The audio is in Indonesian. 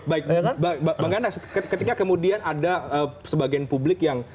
baik bang ganda ketika kemudian ada sebagian publik yang